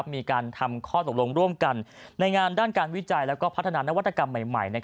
มีการทำข้อตกลงร่วมกันในงานด้านการวิจัยและพัฒนานวัตกรรมใหม่